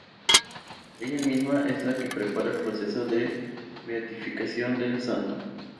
Ella misma es la que prepara el proceso de beatificación del Santo.